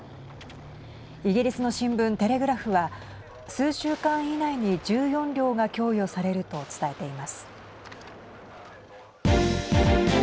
イギリスの新聞テレグラフは数週間以内に１４両が供与されると伝えています。